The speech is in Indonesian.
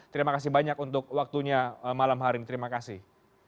terima kasih banyak untuk waktunya malam hari ini terima kasih